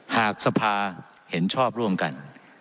หากทรัพย์เห็นชอบร่วมกัน